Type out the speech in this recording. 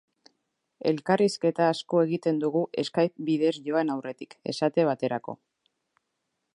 Elkarrizketa asko egiten dugu Skype bidez joan aurretik, esate baterako.